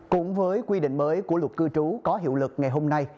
cũng với quy định mới của luật cư trú có hiệu lực ngày hôm nay